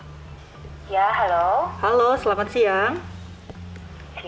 pusat layanan tersebut diberikan oleh pusat layanan kekerasan seksual